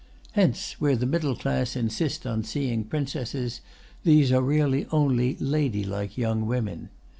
Hence, where the middle class insist on seeing princesses, these are really only ladylike young women.